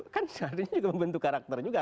kan seharusnya juga membentuk karakter juga